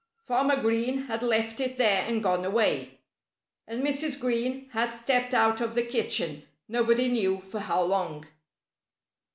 Farmer Green had left it there and gone away. And Mrs. Green had stepped out of the kitchen nobody knew for how long.